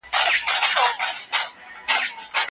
بې ګټي هڅي نه کېږي.